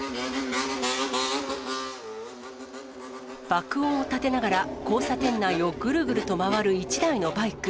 爆音を立てながら交差点内をぐるぐると回る１台のバイク。